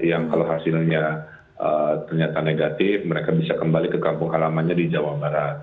yang kalau hasilnya ternyata negatif mereka bisa kembali ke kampung halamannya di jawa barat